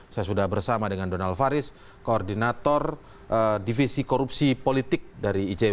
saya sudah bersama dengan donald faris koordinator divisi korupsi politik dari icw